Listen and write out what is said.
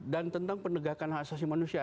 dan tentang penegakan asasi manusia